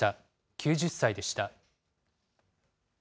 ９０歳でした。